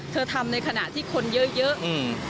เธอทำในขณะที่คนเยอะ